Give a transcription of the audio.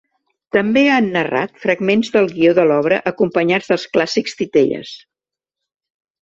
També han narrat fragments del guió de l’obra acompanyats dels clàssics titelles.